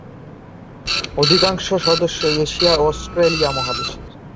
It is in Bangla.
অধিকাংশ সদস্যই এশিয়া ও অস্ট্রেলিয়া মহাদেশের।